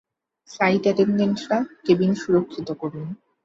Flight attendants, cabin সুরক্ষিত করুন।